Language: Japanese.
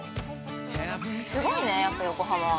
◆すごいね、やっぱ横浜は。